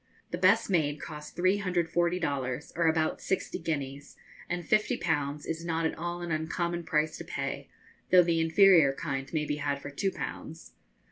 The best made cost 340 dollars, or about sixty guineas, and fifty pounds is not at all an uncommon price to pay, though the inferior kind may be had for two pounds.